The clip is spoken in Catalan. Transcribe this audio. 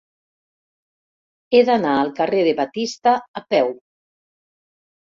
He d'anar al carrer de Batista a peu.